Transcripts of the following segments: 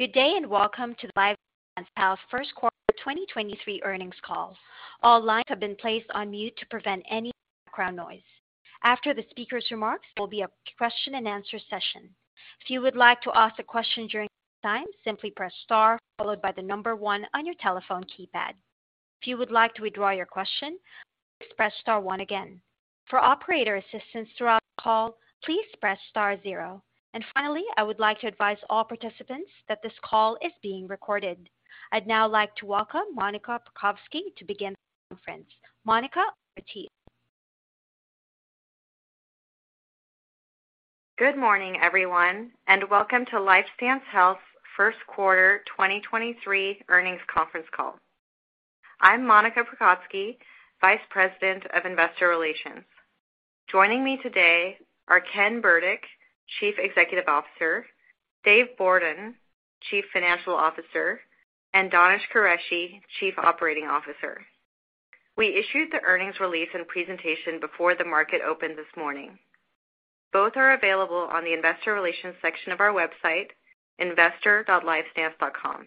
Good day, welcome to the LifeStance Health first quarter 2023 earnings call. All lines have been placed on mute to prevent any background noise. After the speaker's remarks, there will be a question and answer session. If you would like to ask a question during this time, simply press star followed by one on your telephone keypad. If you would like to withdraw your question, please press star one again. For operator assistance throughout the call, please press star zero. Finally, I would like to advise all participants that this call is being recorded. I'd now like to welcome Monica Prokocki to begin the conference. Monica, proceed. Good morning, everyone, welcome to LifeStance Health's first-quarter 2023 earnings conference call. I'm Monica Prokocki, Vice President of Investor Relations. Joining me today are Ken Burdick, Chief Executive Officer, Dave Bourdon, Chief Financial Officer, and Danish Qureshi, Chief Operating Officer. We issued the earnings release and presentation before the market opened this morning. Both are available on the investor relations section of our website, investor.lifestance.com.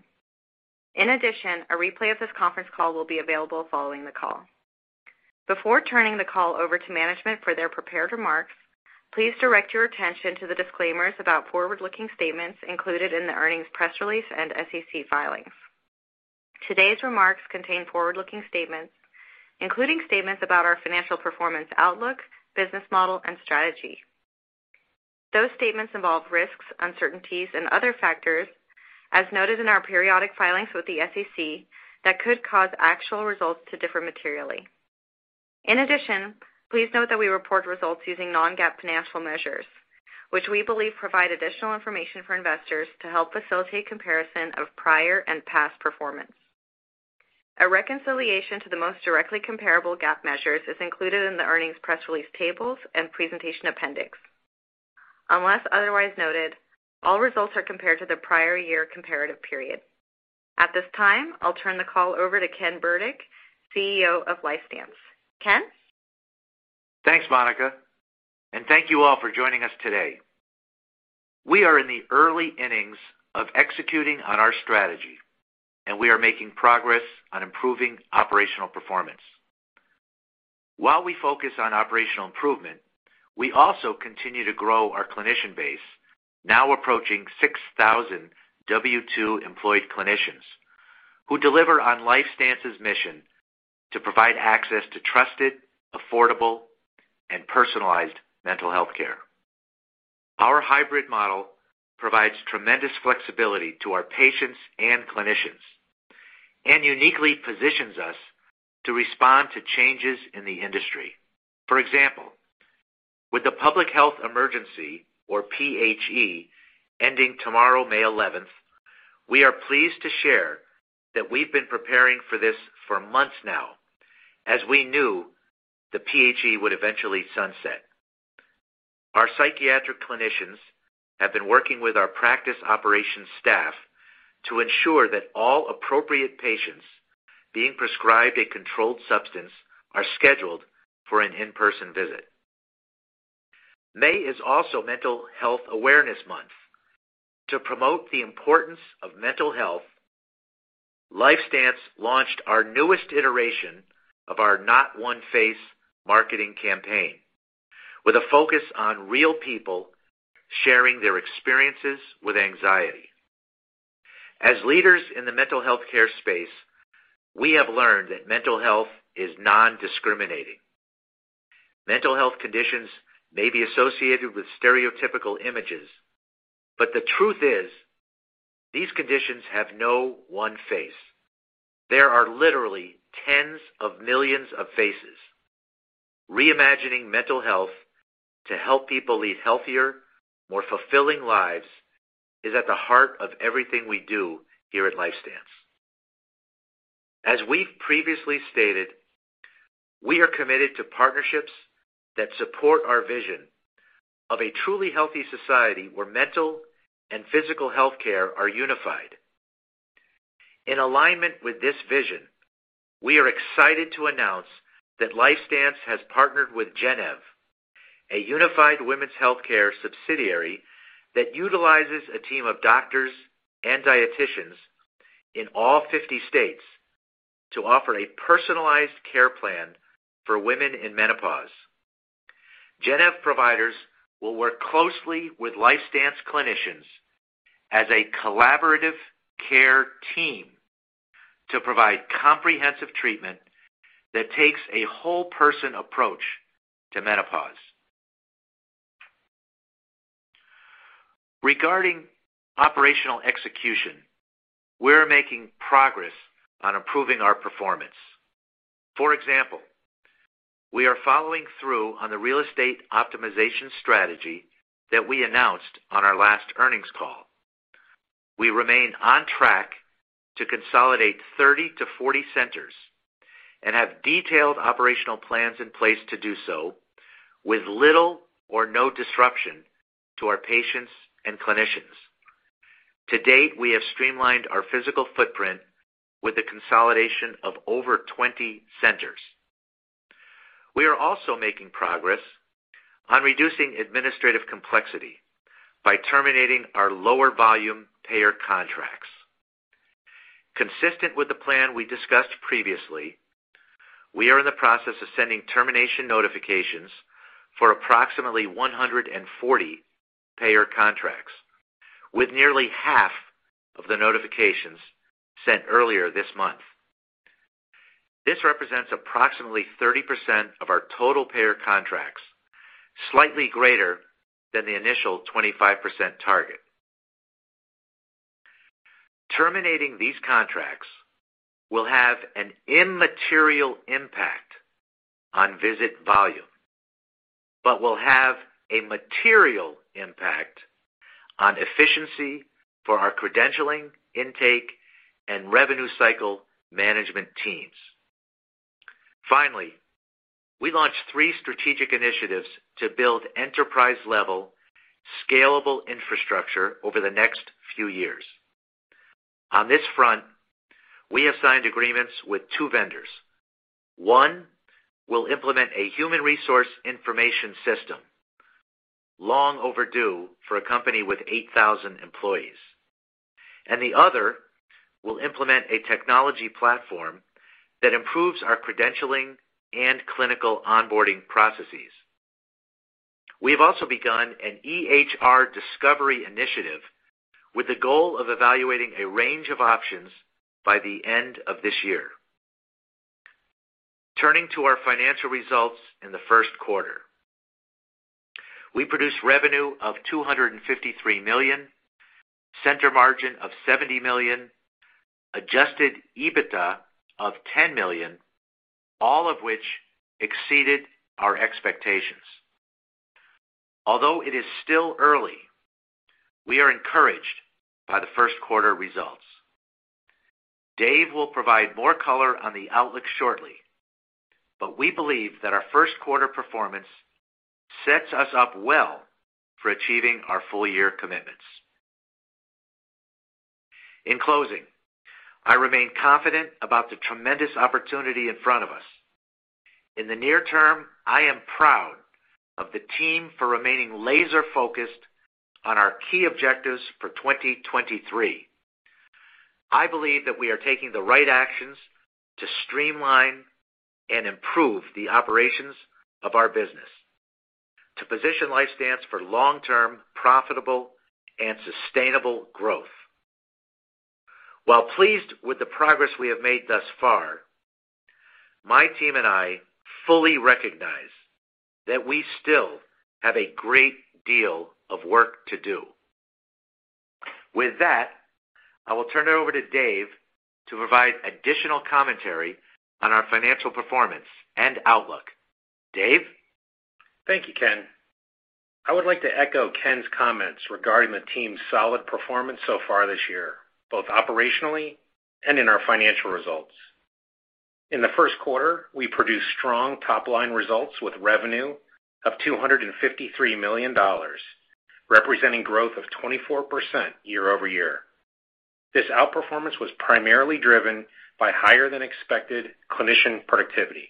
In addition, a replay of this conference call will be available following the call. Before turning the call over to management for their prepared remarks, please direct your attention to the disclaimers about forward-looking statements included in the earnings press release and SEC filings. Today's remarks contain forward-looking statements, including statements about our financial performance outlook, business model, and strategy. Those statements involve risks, uncertainties and other factors, as noted in our periodic filings with the SEC that could cause actual results to differ materially. In addition, please note that we report results using Non-GAAP financial measures, which we believe provide additional information for investors to help facilitate comparison of prior and past performance. A reconciliation to the most directly comparable GAAP measures is included in the earnings press release tables and presentation appendix. Unless otherwise noted, all results are compared to the prior year comparative period. At this time, I'll turn the call over to Ken Burdick, CEO of LifeStance. Ken. Thanks, Monica. Thank you all for joining us today. We are in the early innings of executing on our strategy. We are making progress on improving operational performance. While we focus on operational improvement, we also continue to grow our clinician base, now approaching 6,000 W-2 employed clinicians who deliver on LifeStance's mission to provide access to trusted, affordable and personalized mental health care. Our hybrid model provides tremendous flexibility to our patients and clinicians and uniquely positions us to respond to changes in the industry. For example, with the Public Health Emergency, or PHE, ending tomorrow, May 11th, we are pleased to share that we've been preparing for this for months now, as we knew the PHE would eventually sunset. Our psychiatric clinicians have been working with our practice operations staff to ensure that all appropriate patients being prescribed a controlled substance are scheduled for an in-person visit. May is also Mental Health Awareness Month. To promote the importance of mental health, LifeStance launched our newest iteration of our Not One Face marketing campaign with a focus on real people sharing their experiences with anxiety. As leaders in the mental health care space, we have learned that mental health is non-discriminating. Mental health conditions may be associated with stereotypical images, but the truth is these conditions have no one face. There are literally tens of millions of faces. Reimagining mental health to help people lead healthier, more fulfilling lives is at the heart of everything we do here at LifeStance. As we've previously stated, we are committed to partnerships that support our vision of a truly healthy society where mental and physical health care are unified. In alignment with this vision, we are excited to announce that LifeStance has partnered with Gennev, a Unified Women's Healthcare subsidiary that utilizes a team of doctors and dieticians in all 50 states to offer a personalized care plan for women in menopause. Gennev providers will work closely with LifeStance clinicians as a collaborative care team to provide comprehensive treatment that takes a whole person approach to menopause. Regarding operational execution, we're making progress on improving our performance. For example, we are following through on the real estate optimization strategy that we announced on our last earnings call. We remain on track to consolidate 30 centers-40 centers and have detailed operational plans in place to do so with little or no disruption to our patients and clinicians. To date, we have streamlined our physical footprint with the consolidation of over 20 centers. We are also making progress on reducing administrative complexity by terminating our lower volume payer contracts. Consistent with the plan we discussed previously, we are in the process of sending termination notifications for approximately 140 payer contracts, with nearly half of the notifications sent earlier this month. This represents approximately 30% of our total payer contracts, slightly greater than the initial 25% target. Terminating these contracts will have an immaterial impact on visit volume, but will have a material impact on efficiency for our credentialing, intake, and revenue cycle management teams. Finally, we launched three strategic initiatives to build enterprise-level scalable infrastructure over the next few years. On this front, we have signed agreements with two vendors. One will implement a human resource information system, long overdue for a company with 8,000 employees, and the other will implement a technology platform that improves our credentialing and clinical onboarding processes. We have also begun an EHR discovery initiative with the goal of evaluating a range of options by the end of this year. Turning to our financial results in the first quarter. We produced revenue of $253 million, center margin of $70 million, adjusted EBITDA of $10 million, all of which exceeded our expectations. Although it is still early, we are encouraged by the first quarter results. Dave will provide more color on the outlook shortly, but we believe that our first quarter performance sets us up well for achieving our full year commitments. In closing, I remain confident about the tremendous opportunity in front of us. In the near term, I am proud of the team for remaining laser-focused on our key objectives for 2023. I believe that we are taking the right actions to streamline and improve the operations of our business to position LifeStance for long-term profitable and sustainable growth. While pleased with the progress we have made thus far, my team and I fully recognize that we still have a great deal of work to do. With that, I will turn it over to Dave to provide additional commentary on our financial performance and outlook. Dave? Thank you, Ken. I would like to echo Ken's comments regarding the team's solid performance so far this year, both operationally and in our financial results. In the first quarter, we produced strong top-line results with revenue of $253 million, representing growth of 24% year-over-year. This outperformance was primarily driven by higher than expected clinician productivity.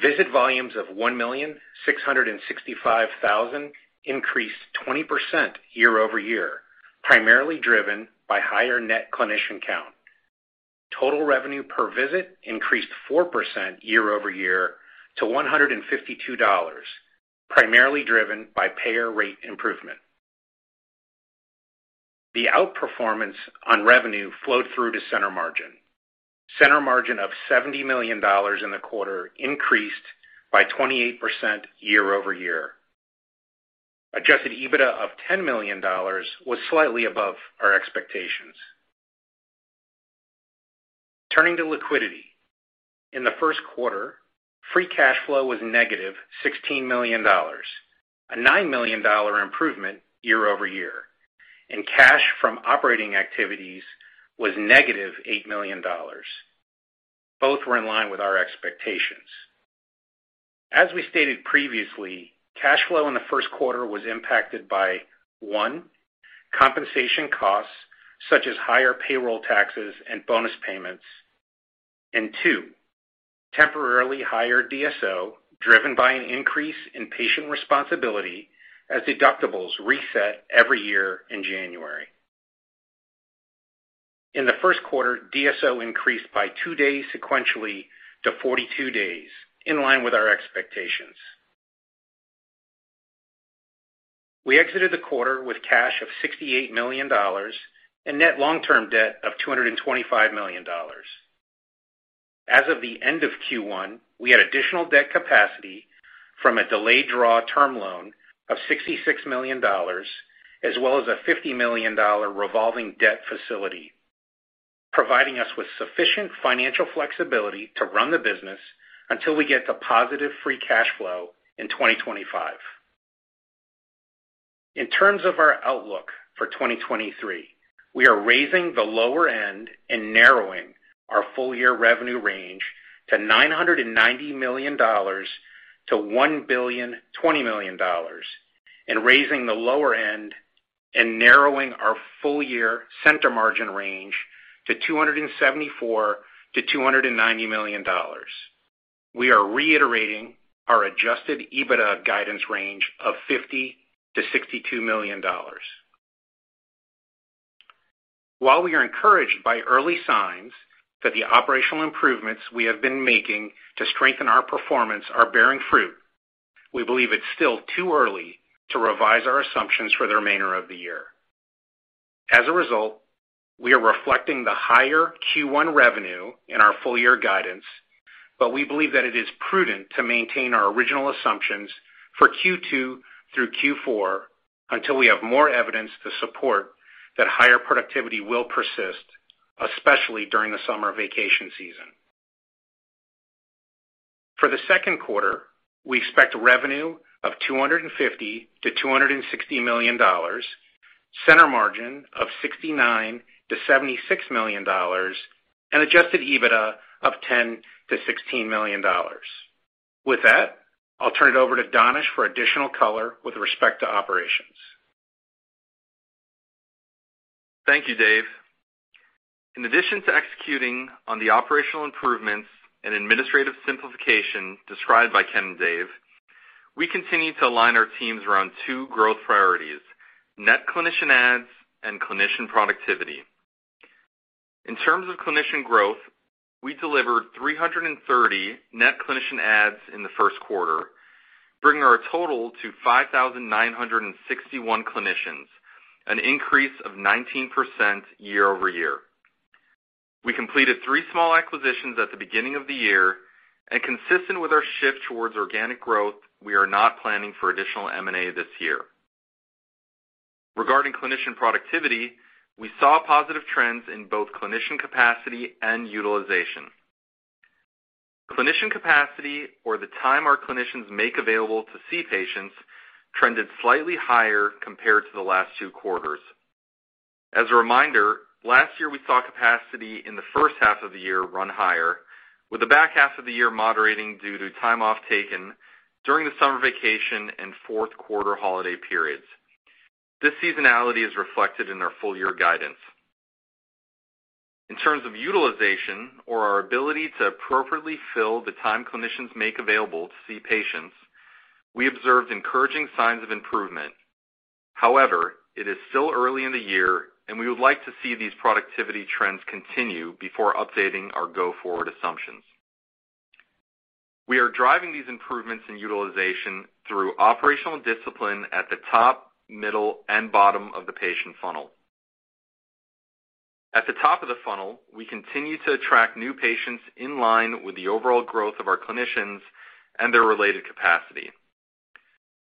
Visit volumes of 1,665,000 increased 20% year-over-year, primarily driven by higher net clinician count. total revenue per visit increased 4% year-over-year to $152, primarily driven by payer rate improvement. The outperformance on revenue flowed through to center margin. center margin of $70 million in the quarter increased by 28% year-over-year. Adjusted EBITDA of $10 million was slightly above our expectations. Turning to liquidity. In the first quarter, free cash flow was negative $16 million, a $9 million improvement year-over-year, and cash from operating activities was negative $8 million. Both were in line with our expectations. As we stated previously, cash flow in the first quarter was impacted by, one, compensation costs, such as higher payroll taxes and bonus payments, and two, temporarily higher DSO, driven by an increase in patient responsibility as deductibles reset every year in January. In the first quarter, DSO increased by two days sequentially to 42 days, in line with our expectations. We exited the quarter with cash of $68 million and net long-term debt of $225 million. As of the end of Q1, we had additional debt capacity from a delayed draw term loan of $66 million as well as a $50 million revolving debt facility, providing us with sufficient financial flexibility to run the business until we get to positive free cash flow in 2025. In terms of our outlook for 2023, we are raising the lower end and narrowing our full year revenue range to $990 million-$1.02 billion and raising the lower end and narrowing our full year center margin range to $274 million-$290 million. We are reiterating our adjusted EBITDA guidance range of $50 million-$62 million. While we are encouraged by early signs that the operational improvements we have been making to strengthen our performance are bearing fruit, we believe it's still too early to revise our assumptions for the remainder of the year. As a result, we are reflecting the higher Q1 revenue in our full year guidance, but we believe that it is prudent to maintain our original assumptions for Q2 through Q4 until we have more evidence to support that higher productivity will persist, especially during the summer vacation season. For the second quarter, we expect revenue of $250 million-$260 million, center margin of $69 million-$76 million, and adjusted EBITDA of $10 million-$16 million. With that, I'll turn it over to Danish for additional color with respect to operations. Thank you, Dave. In addition to executing on the operational improvements and administrative simplification described by Ken and Dave, we continue to align our teams around two growth priorities: net clinician adds and clinician productivity. In terms of clinician growth, we delivered 330 net clinician adds in the first quarter, bringing our total to 5,961 clinicians, an increase of 19% year-over-year. We completed three small acquisitions at the beginning of the year. Consistent with our shift towards organic growth, we are not planning for additional M&A this year. Regarding clinician productivity, we saw positive trends in both clinician capacity and utilization. Clinician capacity or the time our clinicians make available to see patients trended slightly higher compared to the last two quarters. As a reminder, last year, we saw capacity in the first half of the year run higher with the back half of the year moderating due to time off taken during the summer vacation and fourth quarter holiday periods. This seasonality is reflected in our full year guidance. In terms of utilization or our ability to appropriately fill the time clinicians make available to see patients, we observed encouraging signs of improvement. However, it is still early in the year, and we would like to see these productivity trends continue before updating our go-forward assumptions. We are driving these improvements in utilization through operational discipline at the top, middle, and bottom of the patient funnel. At the top of the funnel, we continue to attract new patients in line with the overall growth of our clinicians and their related capacity.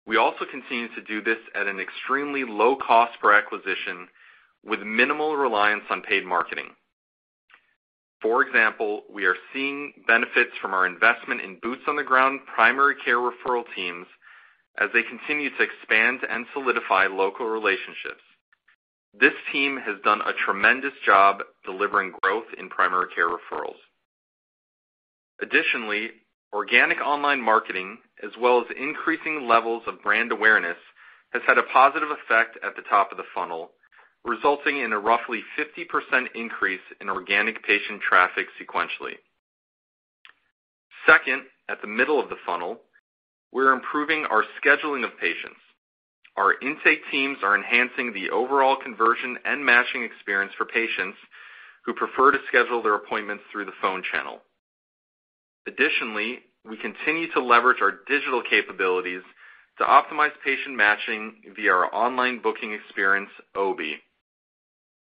We also continue to do this at an extremely low cost per acquisition with minimal reliance on paid marketing. For example, we are seeing benefits from our investment in boots on the ground primary care referral teams as they continue to expand and solidify local relationships. This team has done a tremendous job delivering growth in primary care referrals. Organic online marketing, as well as increasing levels of brand awareness, has had a positive effect at the top of the funnel, resulting in a roughly 50% increase in organic patient traffic sequentially. Second, at the middle of the funnel, we're improving our scheduling of patients. Our intake teams are enhancing the overall conversion and matching experience for patients who prefer to schedule their appointments through the phone channel. We continue to leverage our digital capabilities to optimize patient matching via our online booking experience, OBIE.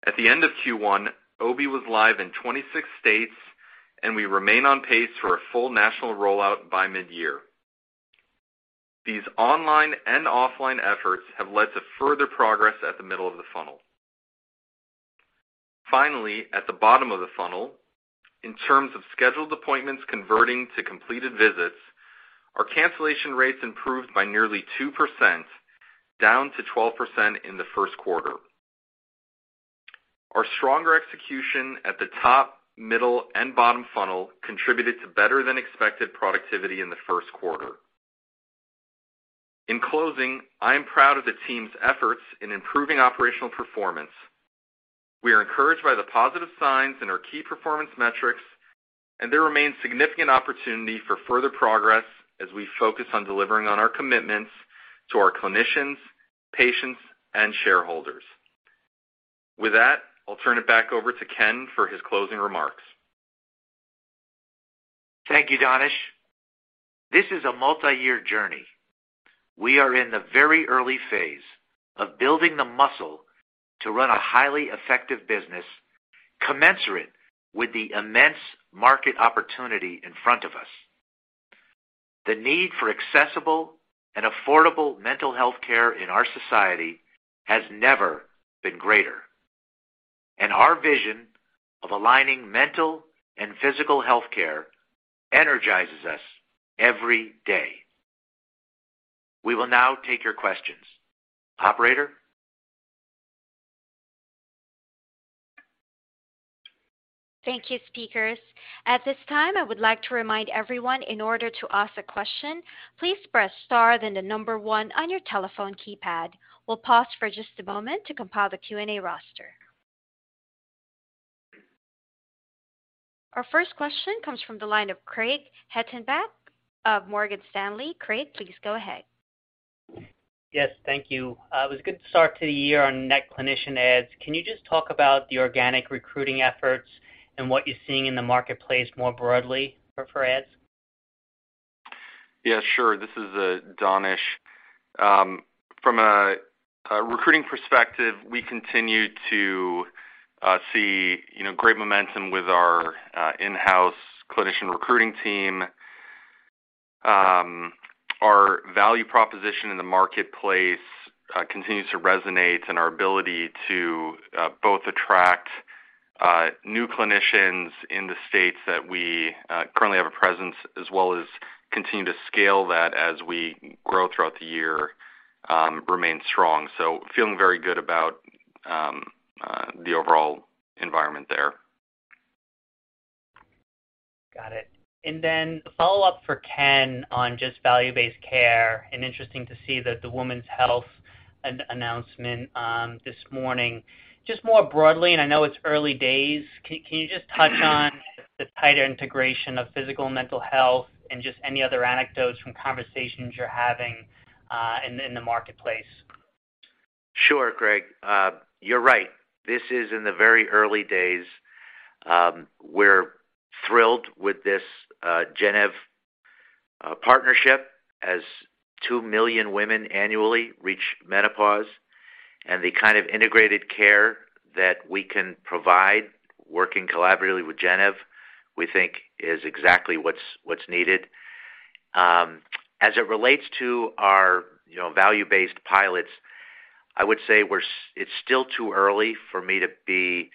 At the end of Q1, OBIE was live in 26 states, we remain on pace for a full national rollout by mid-year. These online and offline efforts have led to further progress at the middle of the funnel. At the bottom of the funnel, in terms of scheduled appointments converting to completed visits, our cancellation rates improved by nearly 2%, down to 12% in the first quarter. Our stronger execution at the top, middle, and bottom funnel contributed to better than expected productivity in the first quarter. In closing, I am proud of the team's efforts in improving operational performance. We are encouraged by the positive signs in our key performance metrics, there remains significant opportunity for further progress as we focus on delivering on our commitments to our clinicians, patients, and shareholders. With that, I'll turn it back over to Ken for his closing remarks. Thank you, Danish. This is a multi-year journey. We are in the very early phase of building the muscle to run a highly effective business commensurate with the immense market opportunity in front of us. The need for accessible and affordable mental health care in our society has never been greater. Our vision of aligning mental and physical health care energizes us every day. We will now take your questions. Operator? Thank you, speakers. At this time, I would like to remind everyone in order to ask a question, please press star then the one on your telephone keypad. We'll pause for just a moment to compile the Q&A roster. Our first question comes from the line of Craig Hettenbach of Morgan Stanley. Craig, please go ahead. Yes, thank you. It was a good start to the year on net clinician adds. Can you just talk about the organic recruiting efforts and what you're seeing in the marketplace more broadly for ads? Yeah, sure. This is Danish. From a recruiting perspective, we continue to see, you know, great momentum with our in-house clinician recruiting team. Our value proposition in the marketplace continues to resonate and our ability to both attract new clinicians in the states that we currently have a presence, as well as continue to scale that as we grow throughout the year, remains strong. Feeling very good about the overall environment there. Then a follow-up for Ken on just value-based care, and interesting to see that the women's health announcement this morning. Just more broadly, and I know it's early days, can you just touch on the tighter integration of physical and mental health and just any other anecdotes from conversations you're having in the marketplace? Sure, Craig. You're right. This is in the very early days. We're thrilled with this Gennev partnership as two million women annually reach menopause and the kind of integrated care that we can provide working collaboratively with Gennev, we think is exactly what's needed. As it relates to our, you know, value-based pilots, I would say it's still too early for me to be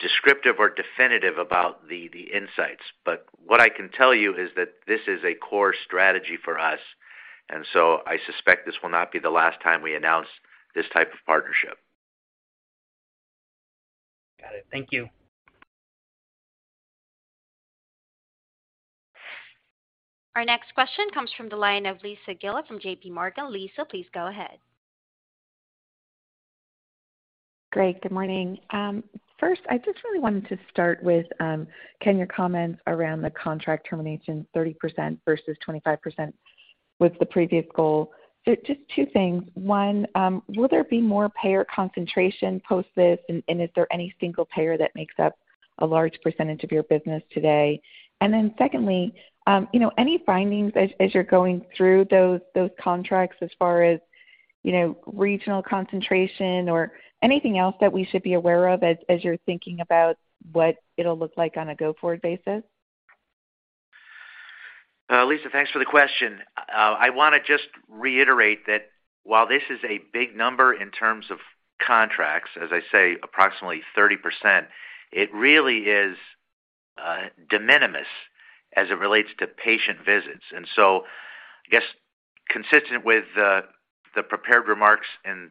descriptive or definitive about the insights. What I can tell you is that this is a core strategy for us. I suspect this will not be the last time we announce this type of partnership. Got it. Thank you. Our next question comes from the line of Lisa Gill from JPMorgan. Lisa, please go ahead. Great. Good morning. First, I just really wanted to start with, Ken, your comments around the contract termination, 30% versus 25% with the previous goal. Just two things. one, will there be more payer concentration post this, and is there any single payer that makes up a large percentage of your business today? Secondly, you know, any findings as you're going through those contracts as far as, you know, regional concentration or anything else that we should be aware of as you're thinking about what it'll look like on a go-forward basis? Lisa, thanks for the question. I wanna just reiterate that while this is a big number in terms of contracts, as I say, approximately 30%, it really is de minimis as it relates to patient visits. I guess consistent with the prepared remarks in the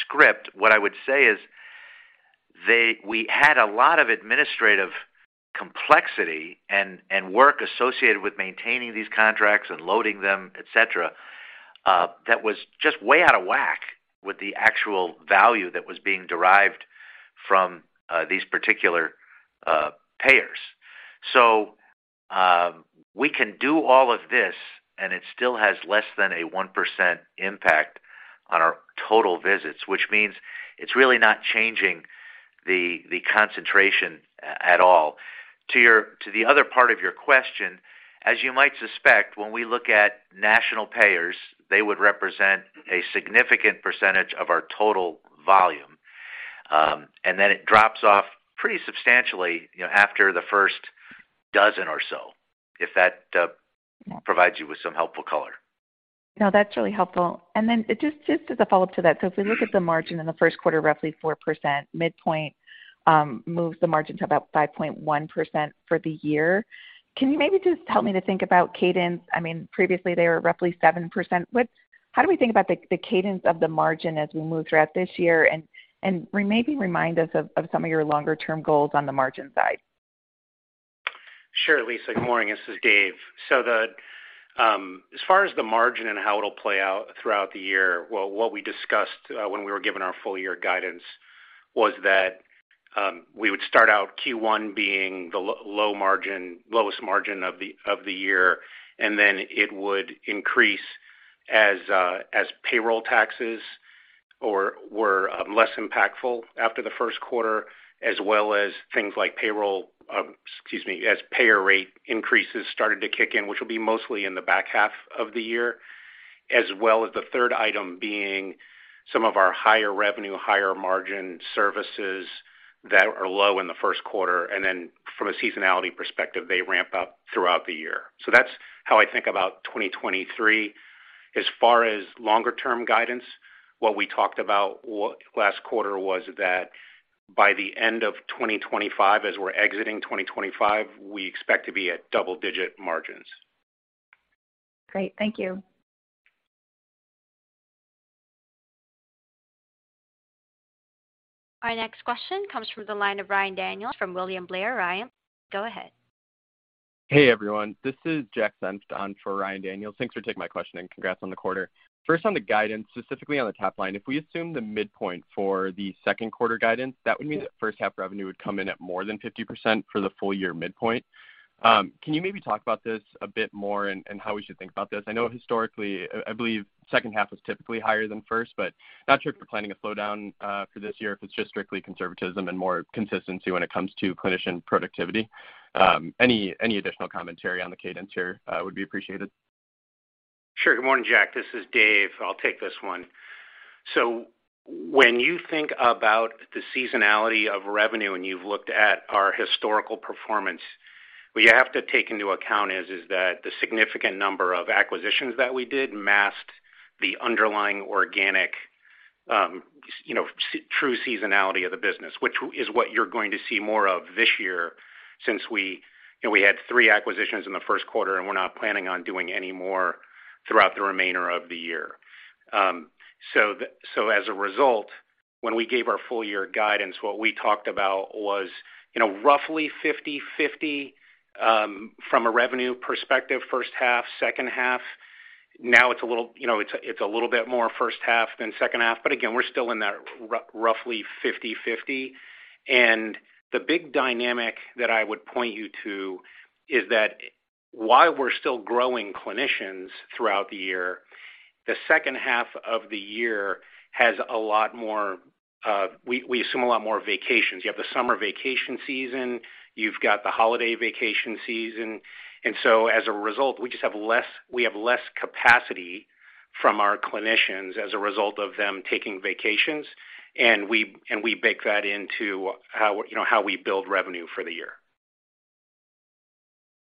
script, what I would say is we had a lot of administrative complexity and work associated with maintaining these contracts and loading them, et cetera, that was just way out of whack with the actual value that was being derived from these particular payers. We can do all of this, and it still has less than a 1% impact on our total visits, which means it's really not changing the concentration at all. To the other part of your question, as you might suspect, when we look at national payers, they would represent a significant percentage of our total volume. Then it drops off pretty substantially, you know, after the first dozen or so, if that provides you with some helpful color. No, that's really helpful. Then just as a follow-up to that. If we look at the margin in the first quarter, roughly 4% midpoint, moves the margin to about 5.1% for the year. Can you maybe just help me to think about cadence? I mean, previously they were roughly 7%. How do we think about the cadence of the margin as we move throughout this year? Maybe remind us of some of your longer term goals on the margin side. Sure, Lisa Gill. Good morning, this is Dave Bourdon. The, as far as the margin and how it'll play out throughout the year, well, what we discussed, when we were given our full year guidance was that, we would start out Q1 being the lowest margin of the, of the year, and then it would increase as payroll taxes or were, less impactful after the first quarter, as well as things like payroll, excuse me, as payer rate increases started to kick in, which will be mostly in the back half of the year. The third item being some of our higher revenue, higher margin services that are low in the first quarter, and then from a seasonality perspective, they ramp up throughout the year. That's how I think about 2023. As far as longer term guidance, what we talked about last quarter was that by the end of 2025, as we're exiting 2025, we expect to be at double-digit margins. Great. Thank you. Our next question comes from the line of Ryan Daniels from William Blair. Ryan, go ahead. Hey, everyone. This is Jack Senft on for Ryan Daniels. Thanks for taking my question. Congrats on the quarter. First, on the guidance, specifically on the top line, if we assume the midpoint for the second quarter guidance, that would mean that first half revenue would come in at more than 50% for the full year midpoint. Can you maybe talk about this a bit more and how we should think about this? I know historically, I believe second half is typically higher than first, but not sure if you're planning a slowdown for this year, if it's just strictly conservatism and more consistency when it comes to clinician productivity. Any additional commentary on the cadence here would be appreciated. Sure. Good morning, Jack. This is Dave. I'll take this one. When you think about the seasonality of revenue, and you've looked at our historical performance, what you have to take into account is that the significant number of acquisitions that we did masked the underlying organic, you know, true seasonality of the business, which is what you're going to see more of this year since we, you know, we had three acquisitions in the first quarter, and we're not planning on doing any more throughout the remainder of the year. As a result, when we gave our full year guidance, what we talked about was, you know, roughly 50/50 from a revenue perspective, first half, second half. It's a little, you know, it's a little bit more first half than second half, but again, we're still in that roughly 50/50. The big dynamic that I would point you to is that while we're still growing clinicians throughout the year, the second half of the year has a lot more, we assume a lot more vacations. You have the summer vacation season, you've got the holiday vacation season. As a result, we just have less capacity from our clinicians as a result of them taking vacations, and we bake that into how, you know, we build revenue for the year.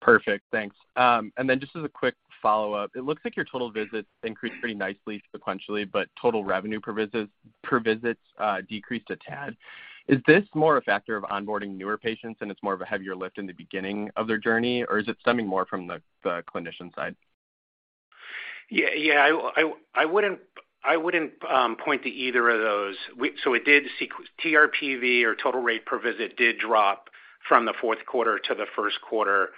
Perfect. Thanks. Then just as a quick follow-up, it looks like your total visits increased pretty nicely sequentially, but total revenue per visits decreased a tad. Is this more a factor of onboarding newer patients, and it's more of a heavier lift in the beginning of their journey, or is it stemming more from the clinician side? Yeah. I wouldn't point to either of those. It did TRPV or total revenue per visit did drop from the fourth quarter to the first quarter.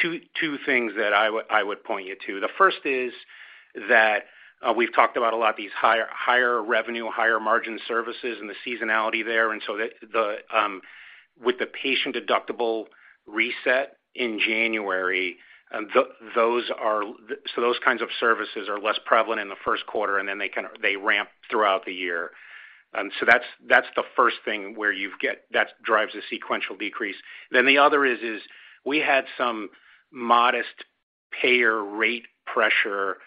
Two things that I would point you to. The first is that we've talked about a lot these higher revenue, higher margin services and the seasonality there. With the patient deductible reset in January, those kinds of services are less prevalent in the 1st quarter, and then they ramp throughout the year. That's the first thing that drives a sequential decrease. The other is, we had some modest payer rate pressure,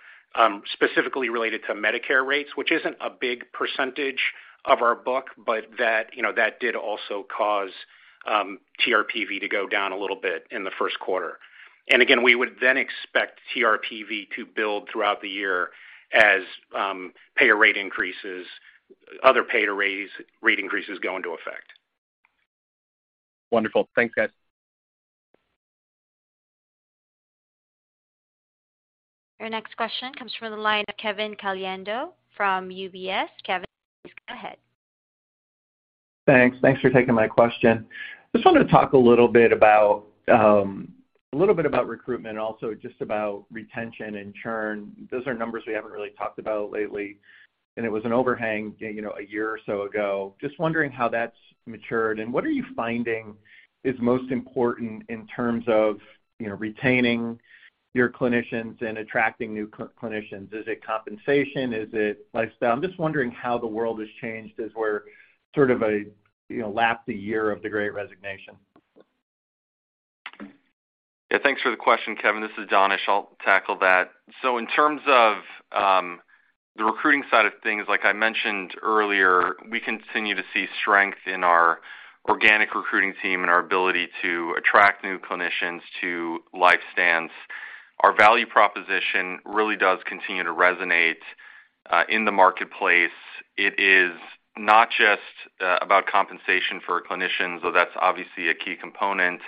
specifically related to Medicare rates, which isn't a big percentage of our book, but that, you know, that did also cause TRPV to go down a little bit in the first quarter. Again, we would then expect TRPV to build throughout the year as payer rate increases, other payer rate increases go into effect. Wonderful. Thanks, guys. Your next question comes from the line of Kevin Caliendo from UBS. Kevin, please go ahead. Thanks. Thanks for taking my question. Just wanted to talk a little bit about a little bit about recruitment, also just about retention and churn. Those are numbers we haven't really talked about lately, and it was an overhang, you know, a year or so ago. Just wondering how that's matured, and what are you finding is most important in terms of, you know, retaining your clinicians and attracting new clinicians. Is it compensation? Is it lifestyle? I'm just wondering how the world has changed as we're sort of a, you know, lap the year of the Great Resignation. Yeah, thanks for the question, Kevin. This is Danish. I'll tackle that. In terms of the recruiting side of things, like I mentioned earlier, we continue to see strength in our organic recruiting team and our ability to attract new clinicians to LifeStance. Our value proposition really does continue to resonate in the marketplace. It is not just about compensation for a clinician, so that's obviously a key component.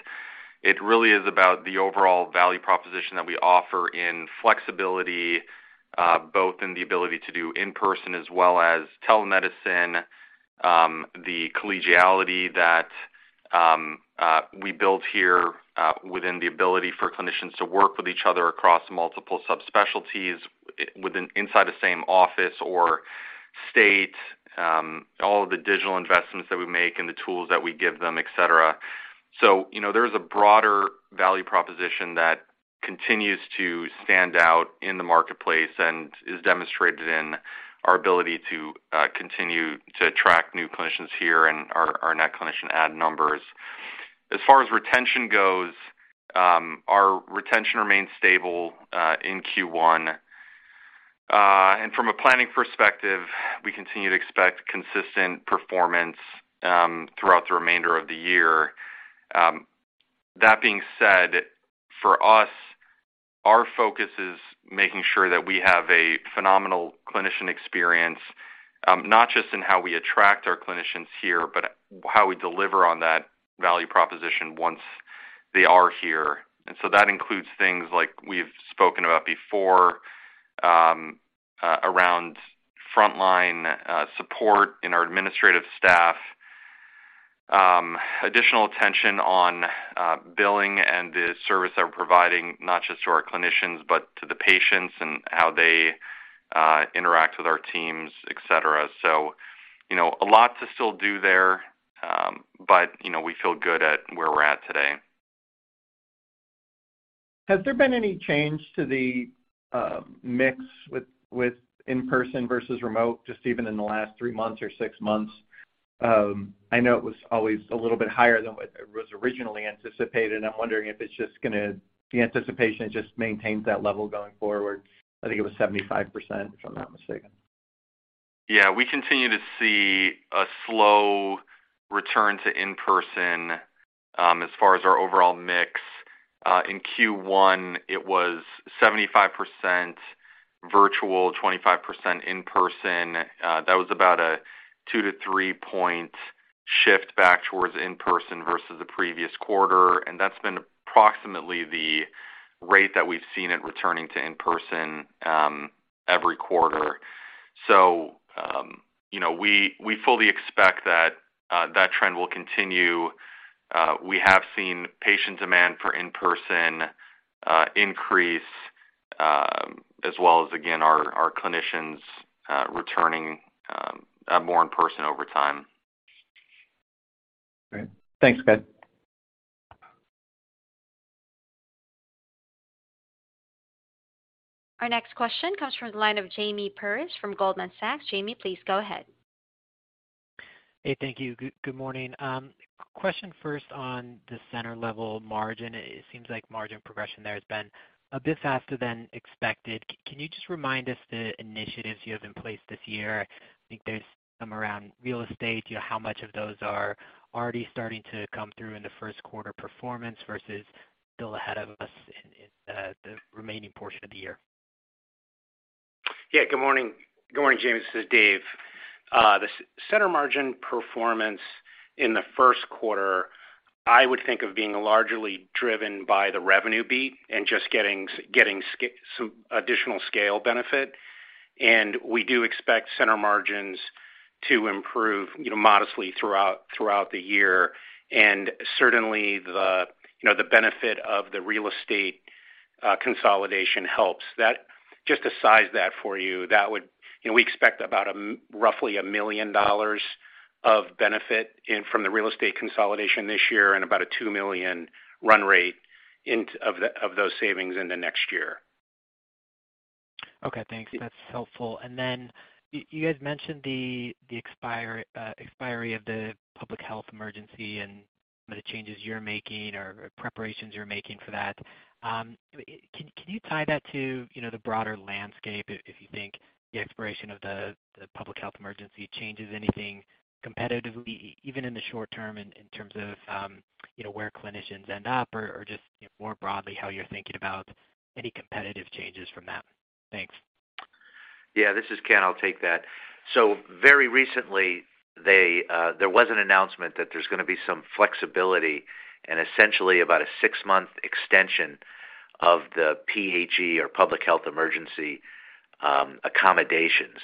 It really is about the overall value proposition that we offer in flexibility, both in the ability to do in-person as well as telemedicine, the collegiality that we build here, within the ability for clinicians to work with each other across multiple subspecialties inside the same office or state, all of the digital investments that we make and the tools that we give them, et cetera. You know, there's a broader value proposition that continues to stand out in the marketplace and is demonstrated in our ability to continue to attract new clinicians here and our net clinician add numbers. As far as retention goes, our retention remains stable in Q1. And from a planning perspective, we continue to expect consistent performance throughout the remainder of the year. That being said, for us, our focus is making sure that we have a phenomenal clinician experience, not just in how we attract our clinicians here, but how we deliver on that value proposition once they are here. That includes things like we've spoken about before, around frontline support in our administrative staff, additional attention on billing and the service that we're providing, not just to our clinicians, but to the patients and how they interact with our teams, et cetera. You know, a lot to still do there, but, you know, we feel good at where we're at today. Has there been any change to the mix with in-person versus remote, just even in the last three months or six months? I know it was always a little bit higher than what it was originally anticipated. I'm wondering if The anticipation just maintains that level going forward. I think it was 75%, if I'm not mistaken. Yeah. We continue to see a slow return to in-person, as far as our overall mix. In Q1, it was 75% virtual, 25% in-person. That was about a 2 point-3 point shift back towards in-person versus the previous quarter, and that's been approximately the rate that we've seen it returning to in-person every quarter. you know, we fully expect that trend will continue. We have seen patient demand for in-person increase, as well as, again, our clinicians returning more in person over time. Great. Thanks, Ken. Our next question comes from the line of Jamie Perse from Goldman Sachs. Jamie, please go ahead. Hey, thank you. Good morning. Question first on the center level margin? It seems like margin progression there has been a bit faster than expected. Can you just remind us the initiatives you have in place this year? I think there's some around real estate. You know, how much of those are already starting to come through in the first quarter performance versus still ahead of us in the remaining portion of the year? Yeah. Good morning. Good morning, Jamie. This is Dave. The center margin performance in the 1st quarter, I would think of being largely driven by the revenue beat and just getting some additional scale benefit. We do expect center margins to improve, you know, modestly throughout the year. Certainly the, you know, the benefit of the real estate consolidation helps. Just to size that for you know, we expect about roughly $1 million of benefit from the real estate consolidation this year and about a $2 million run rate of those savings into next year. Okay, thanks. That's helpful. Then you guys mentioned the expiry of the Public Health Emergency and some of the changes you're making or preparations you're making for that. Can you tie that to, you know, the broader landscape if you think the expiration of the Public Health Emergency changes anything competitively, even in the short term, in terms of, you know, where clinicians end up or just, you know, more broadly how you're thinking about any competitive changes from that? Thanks. Yeah. This is Ken, I'll take that. Very recently, they, there was an announcement that there's gonna be some flexibility and essentially about a six-month extension of the PHE or Public Health Emergency accommodations.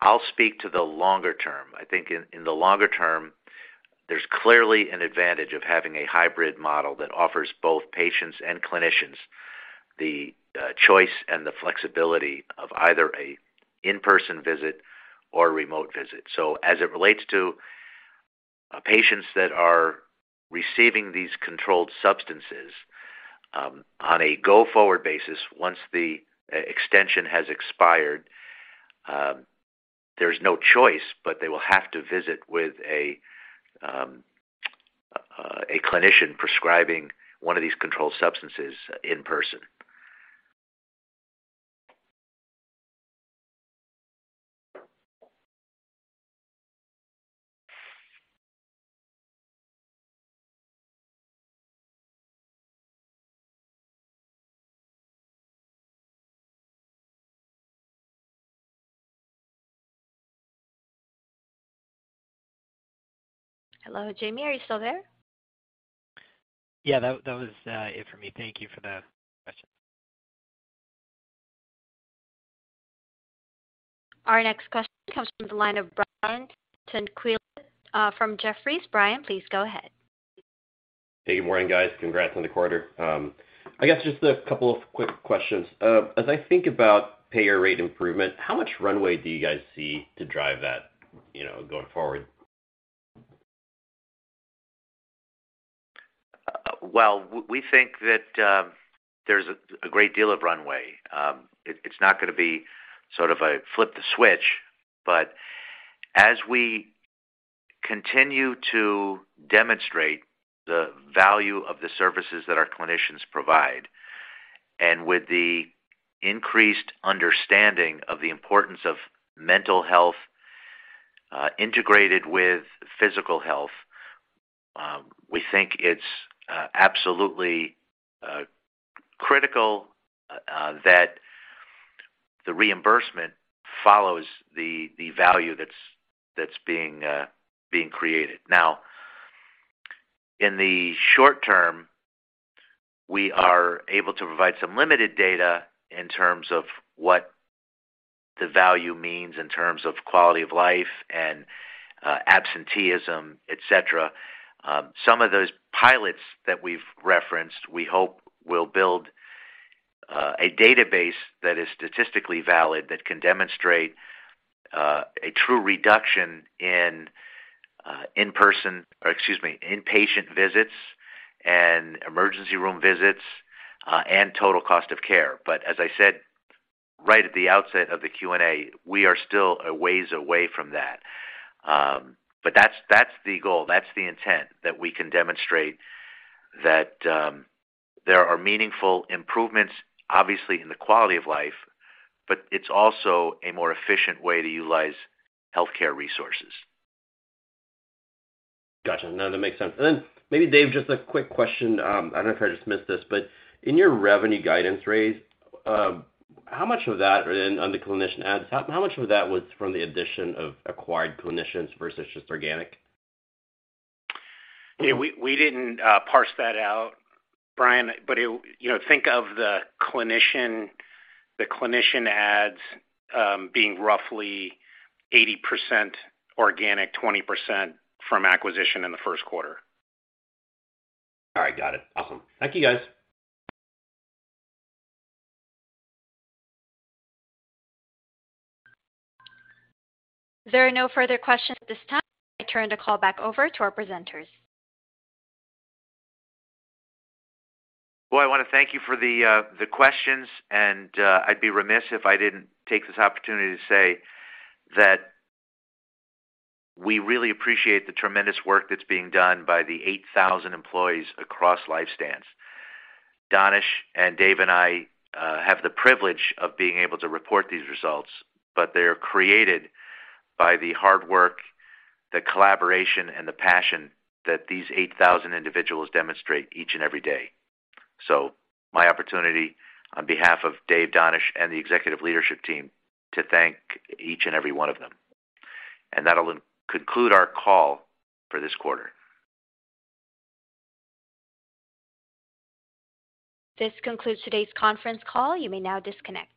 I'll speak to the longer term. I think in the longer term, there's clearly an advantage of having a hybrid model that offers both patients and clinicians the choice and the flexibility of either a in-person visit or a remote visit. As it relates to patients that are receiving these controlled substances, on a go-forward basis, once the e-extension has expired, there's no choice, but they will have to visit with a clinician prescribing one of these controlled substances in person. Hello, Jamie. Are you still there? Yeah. That was it for me. Thank you for the questions. Our next question comes from the line of Brian Tanquilut, from Jefferies. Brian, please go ahead. Hey, good morning, guys. Congrats on the quarter. I guess just a couple of quick questions. As I think about payer rate improvement, how much runway do you guys see to drive that, you know, going forward? Well, we think that there's a great deal of runway. It's not gonna be sort of a flip the switch, but as we continue to demonstrate the value of the services that our clinicians provide, and with the increased understanding of the importance of mental health integrated with physical health, we think it's absolutely critical that the reimbursement follows the value that's being created. In the short term, we are able to provide some limited data in terms of what the value means in terms of quality of life and absenteeism, etc. Some of those pilots that we've referenced, we hope will build a database that is statistically valid that can demonstrate a true reduction in in-patient visits and emergency room visits and total cost of care. As I said, right at the outset of the Q&A, we are still a ways away from that. That's, that's the goal, that's the intent that we can demonstrate that, there are meaningful improvements, obviously, in the quality of life, but it's also a more efficient way to utilize healthcare resources. Gotcha. No, that makes sense. Then maybe Dave, just a quick question. I don't know if I just missed this, but in your revenue guidance raise, how much of that on the clinician adds, how much of that was from the addition of acquired clinicians versus just organic? Yeah, we didn't parse that out, Brian. You know, think of the clinician adds being roughly 80% organic, 20% from acquisition in the first quarter. All right, got it. Awesome. Thank you, guys. There are no further questions at this time. I turn the call back over to our presenters. Well, I want to thank you for the questions, and I'd be remiss if I didn't take this opportunity to say that we really appreciate the tremendous work that's being done by the 8,000 employees across LifeStance. Danish and Dave and I have the privilege of being able to report these results, but they are created by the hard work, the collaboration, and the passion that these 8,000 individuals demonstrate each and every day. My opportunity on behalf of Dave, Danish, and the executive leadership team to thank each and every one of them. That'll conclude our call for this quarter. This concludes today's conference call. You may now disconnect.